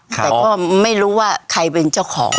แต่ก็ไม่รู้ว่าใครเป็นเจ้าของ